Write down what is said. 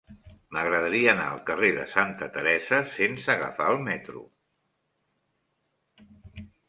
M'agradaria anar al carrer de Santa Teresa sense agafar el metro.